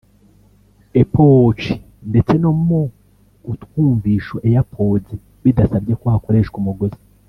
Apple Watch ndetse no mu ’utwumvisho (Airpods) bidasabye ko hakoreshwa umugozi